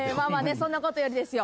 そんなことよりですよ